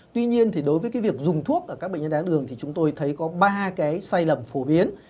tuy nhiên đối với việc dùng thuốc ở các bệnh nhân đài tháo đường thì chúng tôi thấy có ba sai lầm phổ biến